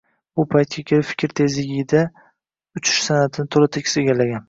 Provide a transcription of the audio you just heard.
Bu paytga kelib fikr tezligida uchish san’atini to‘la-to‘kis egallagan